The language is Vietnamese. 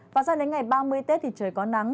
và sang đến ngày ba mươi tết thì trời có nắng